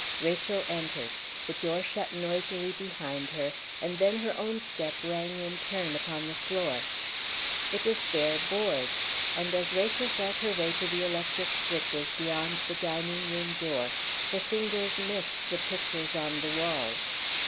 Rachel entered, the door shut noisily behind her, and then her own step rang in turn upon the floor. It was bare boards; and as Rachel felt her way to the electric switches, beyond the dining room door, her fingers missed the pictures on the walls.